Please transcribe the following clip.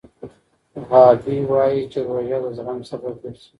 غابي وايي چې روژه د زغم سبب ګرځي.